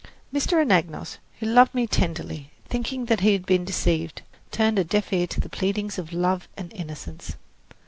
Mr. Anagnos, who loved me tenderly, thinking that he had been deceived, turned a deaf ear to the pleadings of love and innocence.